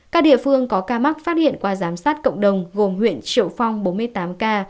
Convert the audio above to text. các địa phương có ca mắc phát hiện qua giám sát cộng đồng gồm huyện triệu phong bốn mươi tám ca